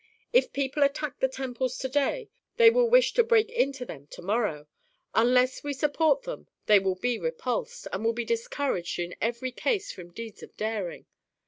If people attack the temples to day they will wish to break into them to morrow. Unless we support them they will be repulsed, and will be discouraged in every case from deeds of daring.